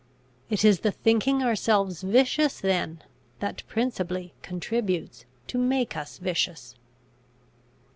It is the thinking ourselves vicious then, that principally contributes to make us vicious.